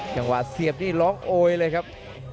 จังหวะเสียบนี่ร้องโอ๊ยเลยครับ